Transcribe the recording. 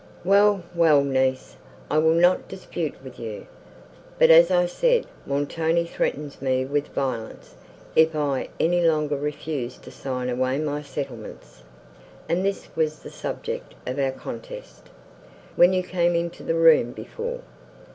"Well, well, niece, I will not dispute with you. But, as I said, Montoni threatens me with violence, if I any longer refuse to sign away my settlements, and this was the subject of our contest, when you came into the room before.